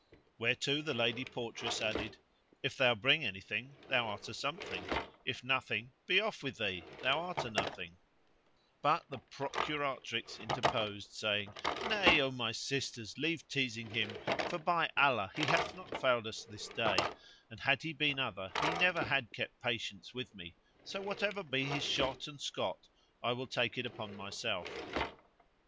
Whereto the lady portress added, "If thou bring anything thou art a something; if no thing, be off with thee, thou art a nothing;" but the procuratrix interposed, saying, "Nay, O my sisters, leave teasing him for by Allah he hath not failed us this day, and had he been other he never had kept patience with me, so whatever be his shot and scot I will take it upon myself."